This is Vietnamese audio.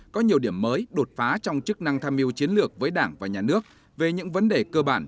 có nhiều điểm mới đột phá trong chức năng tham mưu chiến lược với đảng và nhà nước về những vấn đề cơ bản